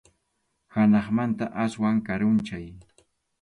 Hanaqmanta aswan karunchay.